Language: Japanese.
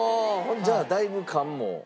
じゃあだいぶ勘も。